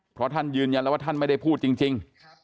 เพราะท่านยืนยันแล้วว่าท่านไม่ได้พูดจริง